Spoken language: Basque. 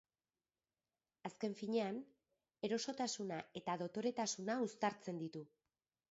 Azken finean, erosotasuna eta dotoretasuna uztartzen ditu.